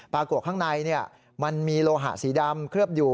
ปรากฏข้างในมันมีโลหะสีดำเคลือบอยู่